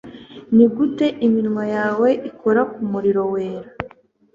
nigute iminwa yawe ikora ku muriro wera